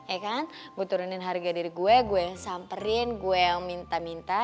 eh kan gue turunin harga dari gue gue yang samperin gue yang minta minta